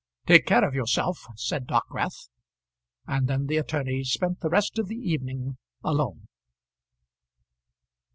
"Take care of yourself," said Dockwrath; and then the attorney spent the rest of the evening alone.